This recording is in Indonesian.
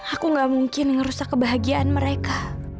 aku gak mungkin ngerusak kebahagiaan mereka